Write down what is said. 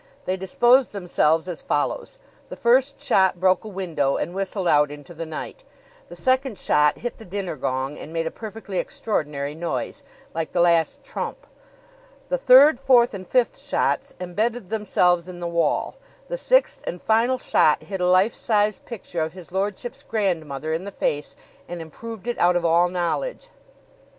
They disposed themselves as follows: The first shot broke a window and whistled out into the night; the second shot hit the dinner gong and made a perfectly extraordinary noise, like the Last Trump; the third, fourth and fifth shots embedded themselves in the wall; the sixth and final shot hit a life size picture of his lordship's grandmother in the face and improved it out of all knowledge.